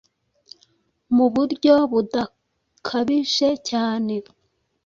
mu budyo budakabije cyane.